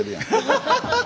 ハハハハッ！